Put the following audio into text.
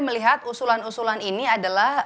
melihat usulan usulan ini adalah